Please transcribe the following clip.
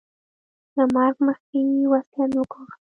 له مرګه مخکې یې وصیت وکړ.